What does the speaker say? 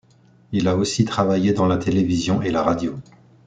Il a aussi travaillé dans la télévision et la radio.